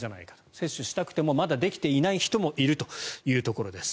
接種したくてもまだできていない人もいるということです。